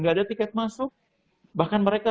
gak ada tiket masuk bahkan mereka